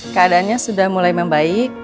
keadaannya sudah mulai membaik